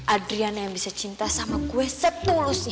adriana yang bisa cinta sama gue setulusnya